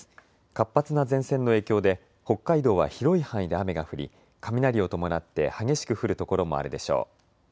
活発な前線の影響で北海道は広い範囲で雨が降り、雷を伴って激しく降る所もあるでしょう。